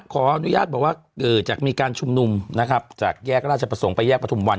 ขออนุญาตบอกว่าจากมีการชุมนุมนะครับจากแยกราชประสงค์ไปแยกประทุมวัน